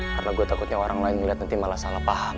karena gue takutnya orang lain ngeliat nanti malah salah paham